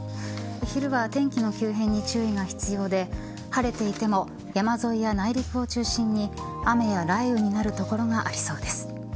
昼は天気の急変に注意が必要で晴れていても山沿いや内陸を中心に雨や雷雨になる所がありそうです。